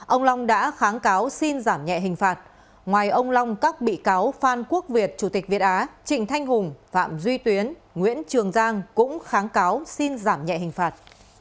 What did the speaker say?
ông long đã kháng cáo xin giảm nhẹ hình phạt ngoài ông long các bị cáo phan quốc việt chủ tịch việt á trịnh thanh hùng phạm duy tuyến nguyễn trường giang cũng kháng cáo xin giảm nhẹ hình phạt